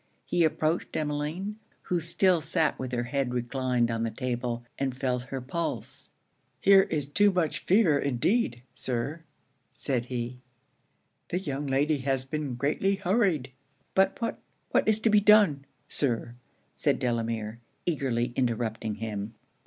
He approached Emmeline, who still sat with her head reclined on the table, and felt her pulse. 'Here is too much fever indeed, Sir,' said he; 'the young lady has been greatly hurried.' 'But what what is to be done, Sir?' said Delamere, eagerly interrupting him.